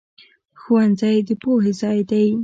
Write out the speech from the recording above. ښوونځی د پوهې ځای دی